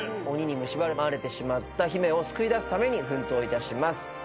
鬼にむしばまれてしまった姫を救い出すために奮闘いたします。